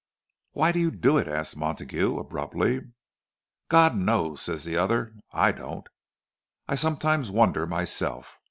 "Why do you do it?" asked Montague, abruptly. "God knows," said the other; "I don't. I sometimes wonder myself.